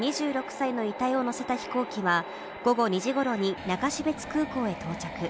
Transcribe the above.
２６歳の遺体を乗せた飛行機は、午後２時ごろに中標津空港へ到着。